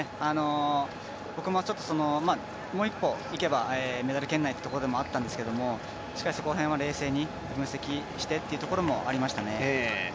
僕ももう一歩いけばメダル圏内というところでもあったんですけどしかしそこら辺は冷静に分析してというところもありましたね。